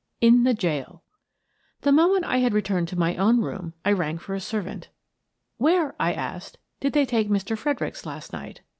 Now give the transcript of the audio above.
IN THE JAIL The moment I had returned to my own room, I rang for a servant. " Where," I asked, " did they take Mr. Freder icks last night?"